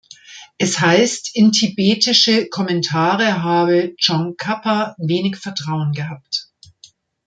Es heißt, in tibetische Kommentare habe Tsongkhapa wenig Vertrauen gehabt.